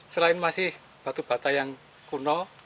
selain masih batu bata yang kuno